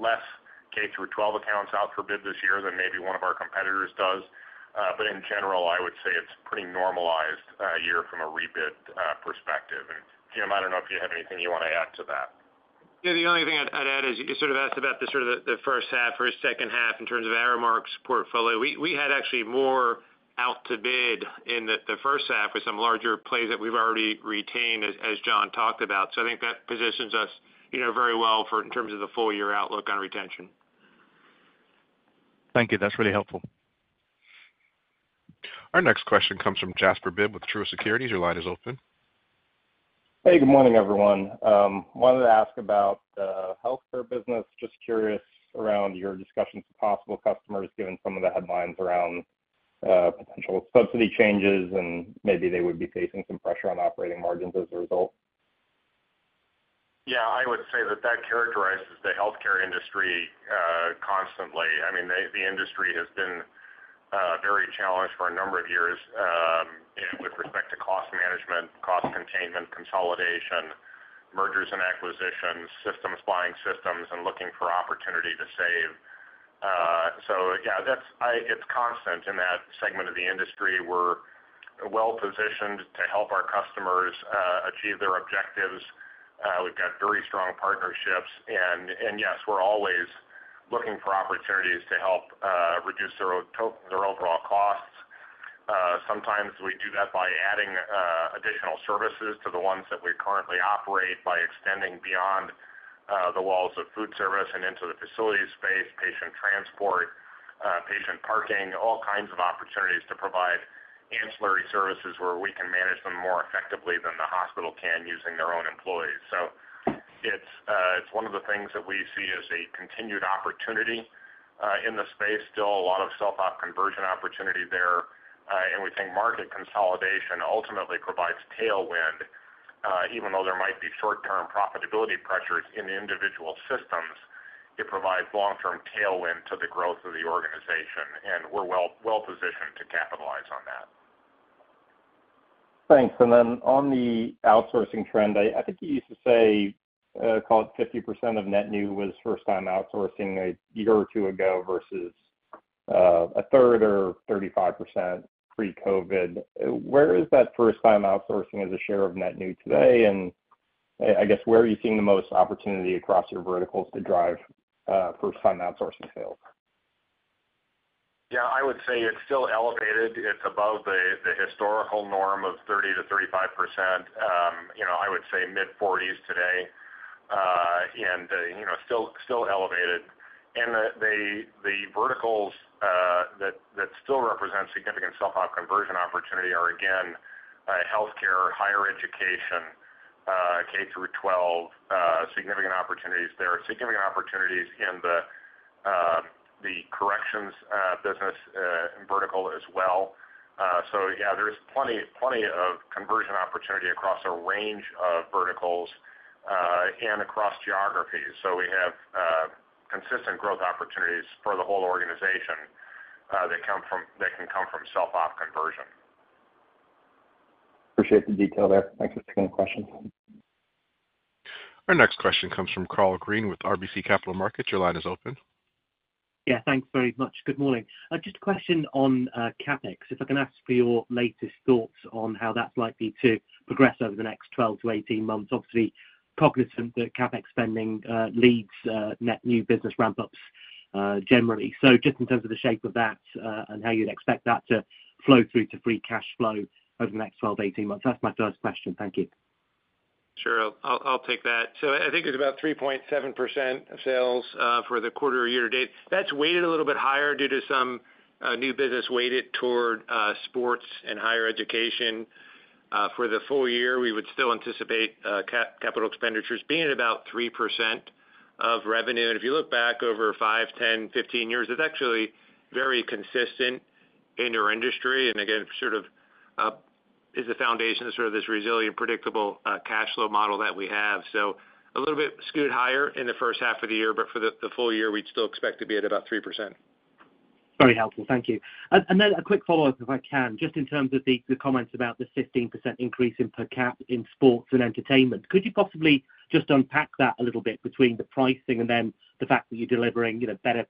less K-12 accounts out for bid this year than maybe one of our competitors does. In general, I would say it's a pretty normalized year from a rebid perspective. Jim, I do not know if you have anything you want to add to that. Yeah. The only thing I'd add is you sort of asked about the sort of the first half or second half in terms of Aramark's portfolio. We had actually more out to bid in the first half with some larger plays that we've already retained, as John talked about. I think that positions us very well in terms of the full-year outlook on retention. Thank you. That's really helpful. Our next question comes from Jasper Bibb with Truist Securities. Your line is open. Hey, good morning, everyone. Wanted to ask about the healthcare business. Just curious around your discussions with possible customers, given some of the headlines around potential subsidy changes, and maybe they would be facing some pressure on operating margins as a result. Yeah. I would say that that characterizes the healthcare industry constantly. I mean, the industry has been very challenged for a number of years with respect to cost management, cost containment, consolidation, mergers and acquisitions, systems, buying systems, and looking for opportunity to save. Yeah, it's constant in that segment of the industry. We're well-positioned to help our customers achieve their objectives. We've got very strong partnerships. Yes, we're always looking for opportunities to help reduce their overall costs. Sometimes we do that by adding additional services to the ones that we currently operate, by extending beyond the walls of food service and into the facility space, patient transport, patient parking, all kinds of opportunities to provide ancillary services where we can manage them more effectively than the hospital can using their own employees. It is one of the things that we see as a continued opportunity in the space. Still, a lot of self-op conversion opportunity there. We think market consolidation ultimately provides tailwind. Even though there might be short-term profitability pressures in individual systems, it provides long-term tailwind to the growth of the organization. We are well-positioned to capitalize on that. Thanks. On the outsourcing trend, I think you used to say, call it 50% of net new was first-time outsourcing a year or two ago versus a third or 35% pre-COVID. Where is that first-time outsourcing as a share of net new today? I guess where are you seeing the most opportunity across your verticals to drive first-time outsourcing sales? Yeah. I would say it's still elevated. It's above the historical norm of 30-35%. I would say mid-40% today and still elevated. The verticals that still represent significant self-op conversion opportunity are, again, healthcare, higher education, K-12, significant opportunities there, significant opportunities in the corrections business vertical as well. Yeah, there's plenty of conversion opportunity across a range of verticals and across geographies. We have consistent growth opportunities for the whole organization that can come from self-op conversion. Appreciate the detail there. Thanks for taking the question. Our next question comes from Karl Green with RBC Capital Markets. Your line is open. Yeah. Thanks very much. Good morning. Just a question on CapEx. If I can ask for your latest thoughts on how that's likely to progress over the next 12 to 18 months. Obviously, cognizant that CapEx spending leads net new business ramp-ups generally. Just in terms of the shape of that and how you'd expect that to flow through to free cash flow over the next 12 to 18 months. That's my first question. Thank you. Sure. I'll take that. I think it's about 3.7% of sales for the quarter or year to date. That's weighted a little bit higher due to some new business weighted toward sports and higher education. For the full year, we would still anticipate capital expenditures being about 3% of revenue. If you look back over 5, 10, 15 years, it's actually very consistent in your industry. It sort of is the foundation of this resilient, predictable cash flow model that we have. A little bit skewed higher in the first half of the year, but for the full year, we'd still expect to be at about 3%. Very helpful. Thank you. A quick follow-up, if I can, just in terms of the comments about the 15% increase in per cap in sports and entertainment. Could you possibly just unpack that a little bit between the pricing and then the fact that you're delivering better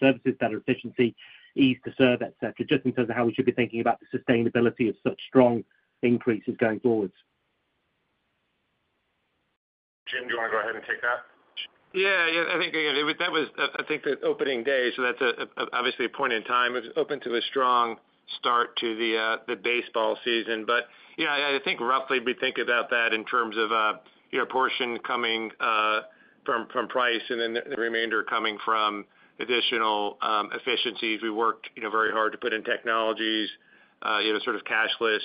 services, better efficiency, ease to serve, etc., just in terms of how we should be thinking about the sustainability of such strong increases going forwards? Jim, do you want to go ahead and take that? Yeah. Yeah. I think that was, I think, the opening day. That is obviously a point in time. It was open to a strong start to the baseball season. Yeah, I think roughly we think about that in terms of your portion coming from price and then the remainder coming from additional efficiencies. We worked very hard to put in technologies, sort of cashless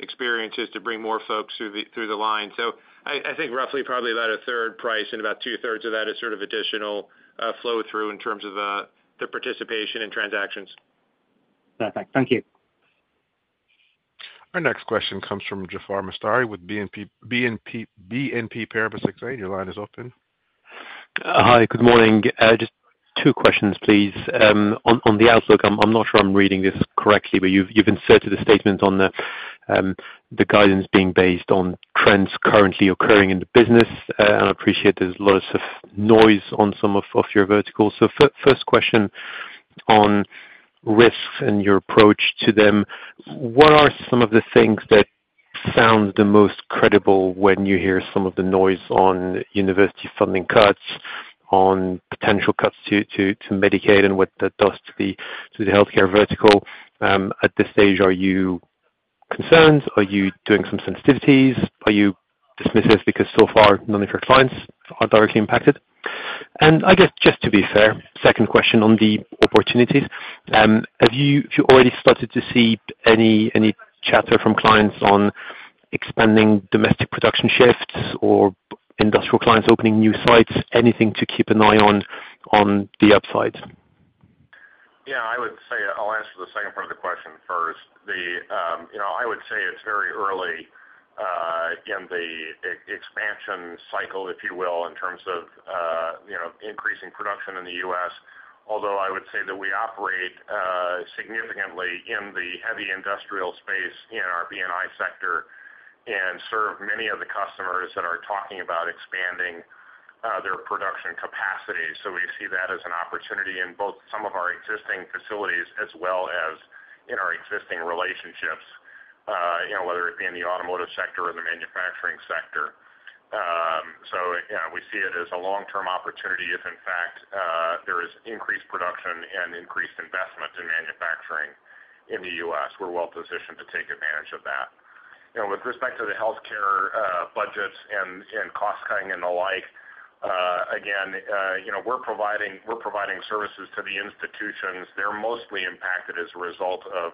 experiences to bring more folks through the line. I think roughly probably about a third price and about two-thirds of that is sort of additional flow-through in terms of the participation in transactions. Perfect. Thank you. Our next question comes from Jaafar Mestari with BNP Paribas Exane. Your line is open. Hi. Good morning. Just two questions, please. On the outlook, I'm not sure I'm reading this correctly, but you've inserted a statement on the guidance being based on trends currently occurring in the business. I appreciate there's a lot of noise on some of your verticals. First question on risks and your approach to them. What are some of the things that sound the most credible when you hear some of the noise on university funding cuts, on potential cuts to Medicaid and what that does to the healthcare vertical? At this stage, are you concerned? Are you doing some sensitivities? Are you dismissive because so far none of your clients are directly impacted? Just to be fair, second question on the opportunities. Have you already started to see any chatter from clients on expanding domestic production shifts or industrial clients opening new sites? Anything to keep an eye on the upside? Yeah. I would say I'll answer the second part of the question first. I would say it's very early in the expansion cycle, if you will, in terms of increasing production in the U.S. Although I would say that we operate significantly in the heavy industrial space in our B&I sector and serve many of the customers that are talking about expanding their production capacity. We see that as an opportunity in both some of our existing facilities as well as in our existing relationships, whether it be in the automotive sector or the manufacturing sector. We see it as a long-term opportunity if, in fact, there is increased production and increased investment in manufacturing in the U.S. We're well-positioned to take advantage of that. With respect to the healthcare budgets and cost cutting and the like, again, we're providing services to the institutions. They're mostly impacted as a result of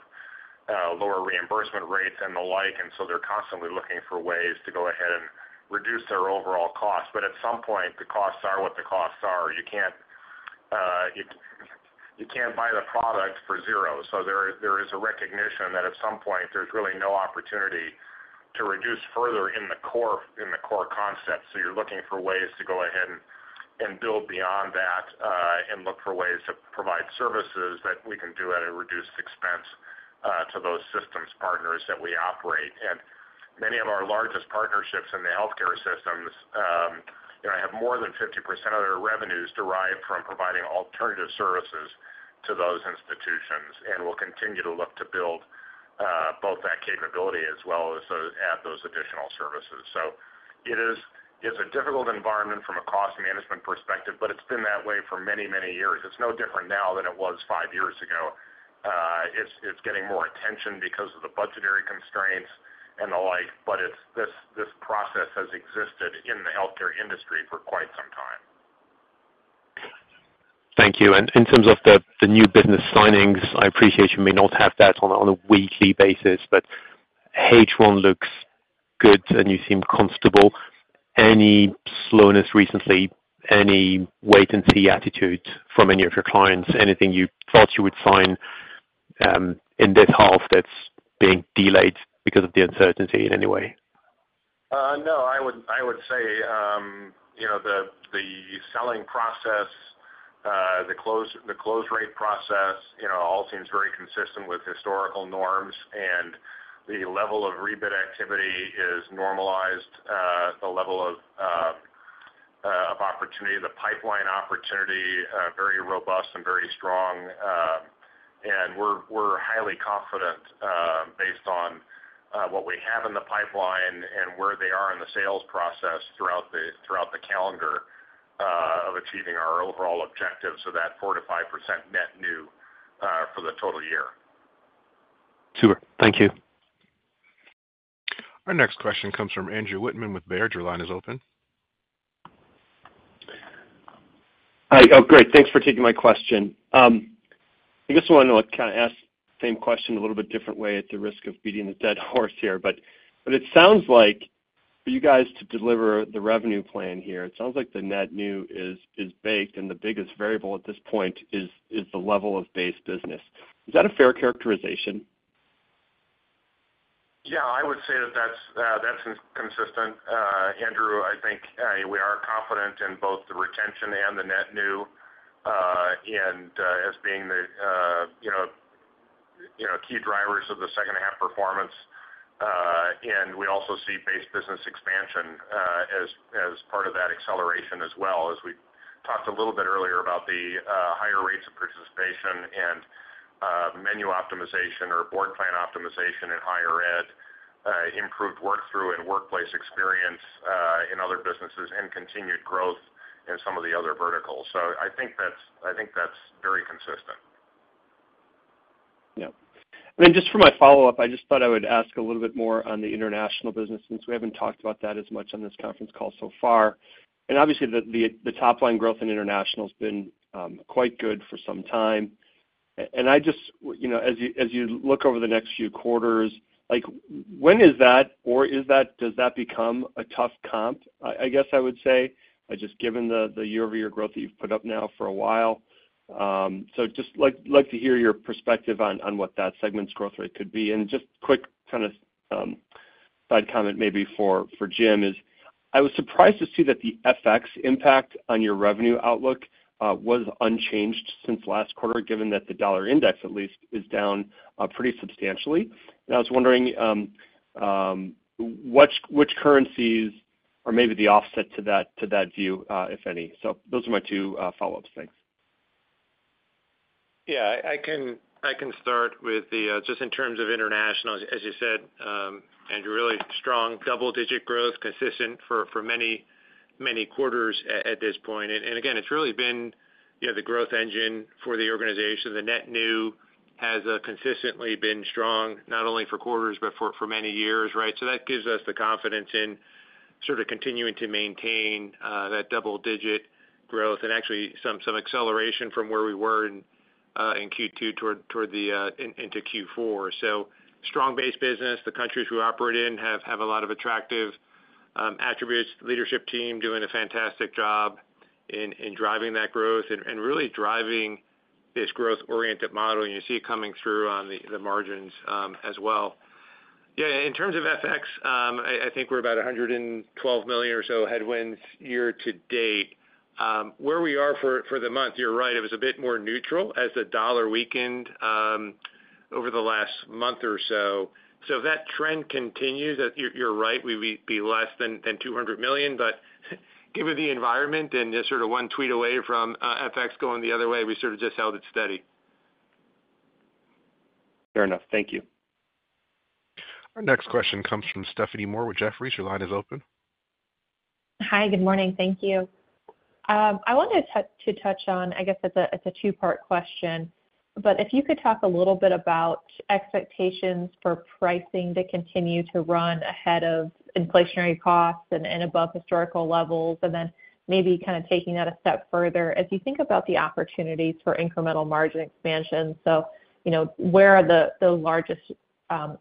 lower reimbursement rates and the like. They're constantly looking for ways to go ahead and reduce their overall costs. At some point, the costs are what the costs are. You can't buy the product for zero. There is a recognition that at some point, there's really no opportunity to reduce further in the core concept. You're looking for ways to go ahead and build beyond that and look for ways to provide services that we can do at a reduced expense to those systems partners that we operate. Many of our largest partnerships in the healthcare systems have more than 50% of their revenues derived from providing alternative services to those institutions. We'll continue to look to build both that capability as well as add those additional services. It is a difficult environment from a cost management perspective, but it's been that way for many, many years. It's no different now than it was five years ago. It's getting more attention because of the budgetary constraints and the like. This process has existed in the healthcare industry for quite some time. Thank you. In terms of the new business signings, I appreciate you may not have that on a weekly basis, but H1 looks good and you seem comfortable. Any slowness recently? Any wait-and-see attitude from any of your clients? Anything you thought you would sign in this half that's being delayed because of the uncertainty in any way? No. I would say the selling process, the close rate process, all seems very consistent with historical norms. The level of rebid activity is normalized, the level of opportunity, the pipeline opportunity, very robust and very strong. We are highly confident based on what we have in the pipeline and where they are in the sales process throughout the calendar of achieving our overall objectives of that 4-5% net new for the total year. Super. Thank you. Our next question comes from Andrew Wittmann with Baird. Your line is open. Hi. Oh, great. Thanks for taking my question. I just want to kind of ask the same question a little bit different way at the risk of beating the dead horse here. It sounds like for you guys to deliver the revenue plan here, it sounds like the net new is baked and the biggest variable at this point is the level of base business. Is that a fair characterization? Yeah. I would say that that's consistent. Andrew, I think we are confident in both the retention and the net new as being the key drivers of the second-half performance. We also see base business expansion as part of that acceleration as well. As we talked a little bit earlier about the higher rates of participation and menu optimization or board plan optimization in higher ed, improved work through and workplace experience in other businesses, and continued growth in some of the other verticals. I think that's very consistent. Yeah. For my follow-up, I just thought I would ask a little bit more on the international business since we have not talked about that as much on this conference call so far. Obviously, the top-line growth in international has been quite good for some time. As you look over the next few quarters, when is that or does that become a tough comp, I guess I would say, just given the year-over-year growth that you have put up now for a while? I would just like to hear your perspective on what that segment's growth rate could be. Just quick kind of side comment maybe for Jim is I was surprised to see that the FX impact on your revenue outlook was unchanged since last quarter, given that the dollar index at least is down pretty substantially. I was wondering which currencies are maybe the offset to that view, if any. Those are my two follow-ups. Thanks. Yeah. I can start with just in terms of international, as you said, Andrew, really strong double-digit growth consistent for many quarters at this point. Again, it's really been the growth engine for the organization. The net new has consistently been strong not only for quarters but for many years, right? That gives us the confidence in sort of continuing to maintain that double-digit growth and actually some acceleration from where we were in Q2 toward into Q4. Strong base business. The countries we operate in have a lot of attractive attributes. Leadership team doing a fantastic job in driving that growth and really driving this growth-oriented model. You see it coming through on the margins as well. Yeah. In terms of FX, I think we're about $112 million or so headwinds year to date. Where we are for the month, you're right, it was a bit more neutral as the dollar weakened over the last month or so. If that trend continues, you're right, we'd be less than $200 million. Given the environment and just sort of one tweet away from FX going the other way, we sort of just held it steady. Fair enough. Thank you. Our next question comes from Stephanie Moore with Jefferies. Your line is open. Hi. Good morning. Thank you. I wanted to touch on, I guess it's a two-part question, but if you could talk a little bit about expectations for pricing to continue to run ahead of inflationary costs and above historical levels, and then maybe kind of taking that a step further as you think about the opportunities for incremental margin expansion. Where are the largest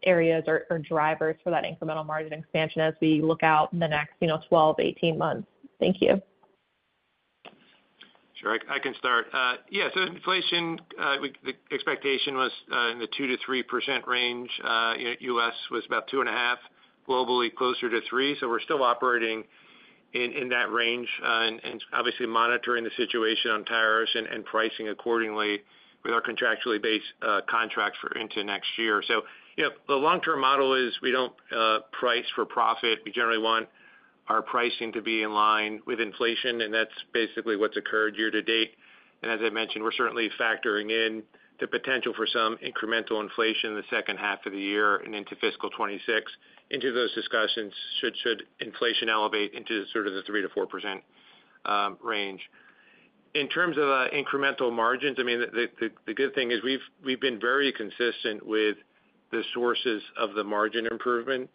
areas or drivers for that incremental margin expansion as we look out in the next 12-18 months? Thank you. Sure. I can start. Yeah. Inflation, the expectation was in the 2-3% range. U.S. was about 2.5%, globally closer to 3%. We're still operating in that range and obviously monitoring the situation on tariffs and pricing accordingly with our contractually based contract for into next year. The long-term model is we do not price for profit. We generally want our pricing to be in line with inflation. That is basically what has occurred year to date. As I mentioned, we're certainly factoring in the potential for some incremental inflation in the second half of the year and into fiscal 2026. Into those discussions, should inflation elevate into the 3-4% range. In terms of incremental margins, the good thing is we've been very consistent with the sources of the margin improvement.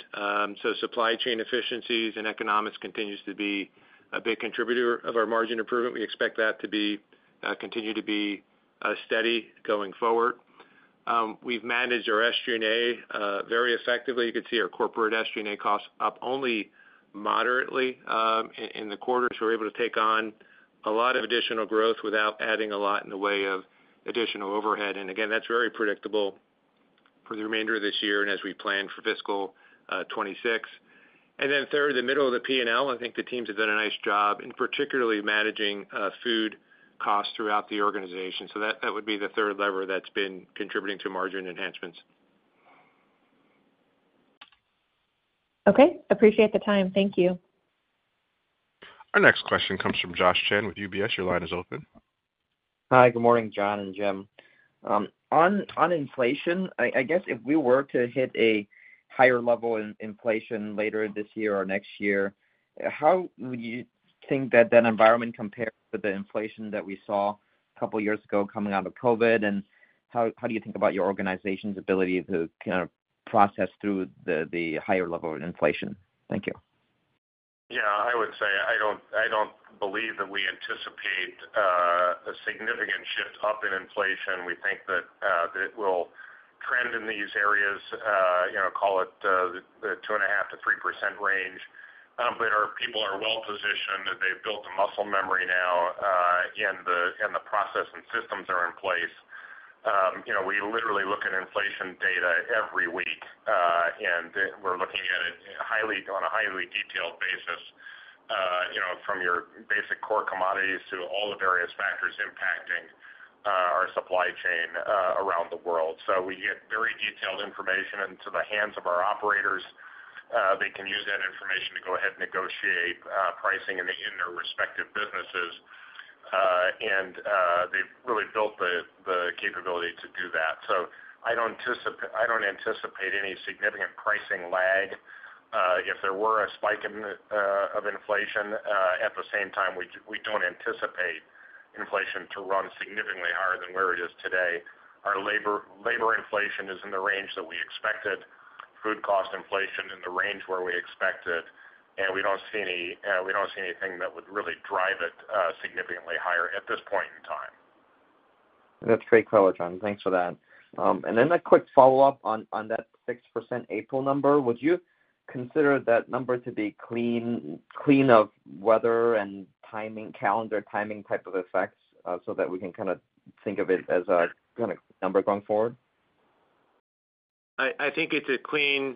Supply chain efficiencies and economics continues to be a big contributor of our margin improvement. We expect that to continue to be steady going forward. We've managed our SG&A very effectively. You could see our corporate SG&A costs up only moderately in the quarters. We're able to take on a lot of additional growth without adding a lot in the way of additional overhead. Again, that's very predictable for the remainder of this year and as we plan for fiscal 2026. Third, the middle of the P&L, I think the teams have done a nice job in particularly managing food costs throughout the organization. That would be the third lever that's been contributing to margin enhancements. Okay. Appreciate the time. Thank you. Our next question comes from Josh Chan with UBS. Your line is open. Hi. Good morning, John and Jim. On inflation, I guess if we were to hit a higher level in inflation later this year or next year, how would you think that that environment compares to the inflation that we saw a couple of years ago coming out of COVID? How do you think about your organization's ability to kind of process through the higher level of inflation? Thank you. Yeah. I would say I don't believe that we anticipate a significant shift up in inflation. We think that it will trend in these areas, call it the 2.5-3% range. Our people are well-positioned. They've built a muscle memory now, and the process and systems are in place. We literally look at inflation data every week, and we're looking at it on a highly detailed basis from your basic core commodities to all the various factors impacting our supply chain around the world. We get very detailed information into the hands of our operators. They can use that information to go ahead and negotiate pricing in their respective businesses. They've really built the capability to do that. I don't anticipate any significant pricing lag. If there were a spike of inflation, at the same time, we do not anticipate inflation to run significantly higher than where it is today. Our labor inflation is in the range that we expected, food cost inflation in the range where we expected. We do not see anything that would really drive it significantly higher at this point in time. That's great color, John. Thanks for that. A quick follow-up on that 6% April number. Would you consider that number to be clean of weather and calendar timing type of effects so that we can kind of think of it as a kind of number going forward? I think it's a clean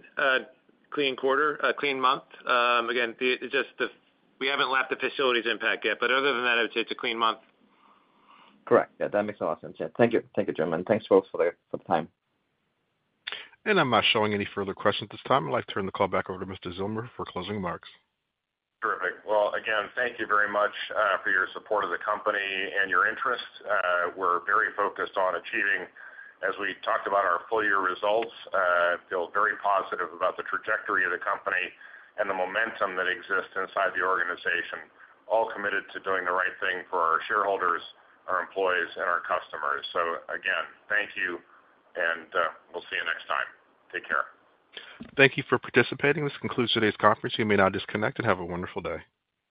quarter, a clean month. Again, we haven't left the facilities impact yet. Other than that, I would say it's a clean month. Correct. Yeah. That makes a lot of sense. Thank you. Thank you, Jim. Thank you both for the time. I am not showing any further questions at this time. I would like to turn the call back over to Mr. Zillmer for closing remarks. Terrific. Again, thank you very much for your support of the company and your interest. We're very focused on achieving, as we talked about, our full-year results. I feel very positive about the trajectory of the company and the momentum that exists inside the organization. All committed to doing the right thing for our shareholders, our employees, and our customers. Again, thank you, and we'll see you next time. Take care. Thank you for participating. This concludes today's conference. You may now disconnect and have a wonderful day.